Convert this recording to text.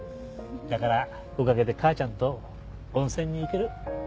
だからおかげで母ちゃんと温泉に行ける。